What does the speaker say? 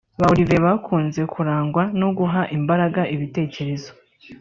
Ba Olivier bakunze kurangwa no guha imbaraga ibitekerezo